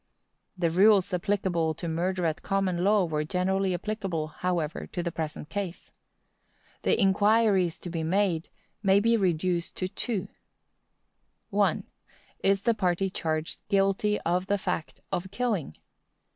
The rules applicable to murder at common law were generally applicable, however, to the present case. The inquiries to be made may be reduced to two: 1. Is the party charged guilty of the fact of killing?